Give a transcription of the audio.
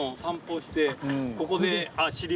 ここで。